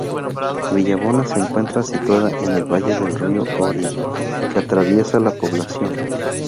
Villabona se encuentra situada en el Valle del río Oria, que atraviesa la población.